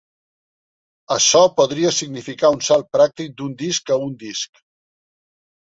Açò podria significar un salt pràctic d'un disc a un disc.